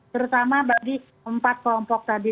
terutama bagi empat kelompok tadi